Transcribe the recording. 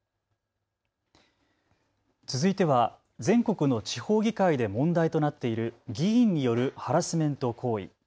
続いては全国の地方議会で問題となっている議員によるハラスメント行為。